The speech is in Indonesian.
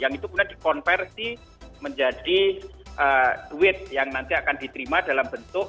yang itu kemudian dikonversi menjadi duit yang nanti akan diterima dalam bentuk